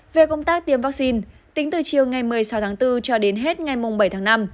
về công tác tiêm vaccine tính từ chiều ngày một mươi sáu tháng bốn cho đến hết ngày bảy tháng năm